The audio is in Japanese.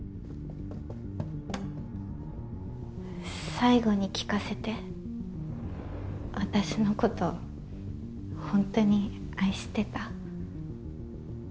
最後に聞かせて私のことホントに愛してた？